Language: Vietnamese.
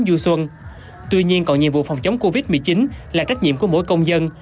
du xuân tuy nhiên còn nhiệm vụ phòng chống covid một mươi chín là trách nhiệm của mỗi công dân